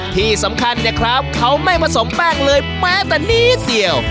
ที่สำคัญเนี่ยครับเขาไม่ผสมแป้งเลยแม้แต่นิดเดียว